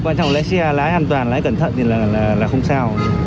quan trọng lái xe lái an toàn lái cẩn thận thì là không sao